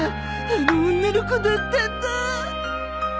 あの女の子だったんだ！！